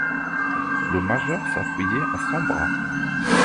Le major s'appuyait à son bras.